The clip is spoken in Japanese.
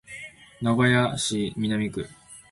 名古屋市南区